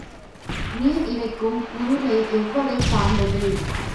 நீர் இறைக்கும் உருளை எவ்வகை சார்ந்தது?